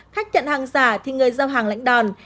khách nhận hàng giả thì người giao hàng lãnh đòn